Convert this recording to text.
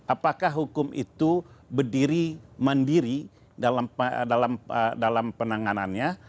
apakah hukum itu berdiri mandiri dalam penanganannya